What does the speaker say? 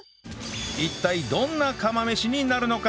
一体どんな釜飯になるのか？